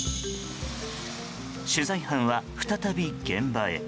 取材班は再び現場へ。